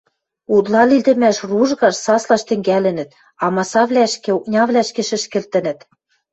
Утла литӹмӓш ружгаш, саслаш тӹнгӓлӹнӹт, амасавлӓшкӹ, окнявлӓшкӹ шӹшкӹлтӹнӹт.